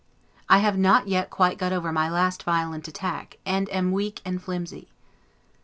I have not yet quite got over my last violent attack, and am weak and flimsy.